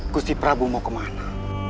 gusti prabu mau kemana